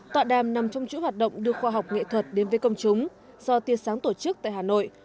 tọa đàm nằm trong chữ hoạt động đưa khoa học nghệ thuật đến với công chúng do tia sáng tổ chức tại hà nội